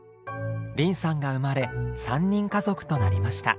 倫さんが生まれ３人家族となりました。